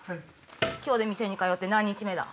今日で店に通って何日目だ？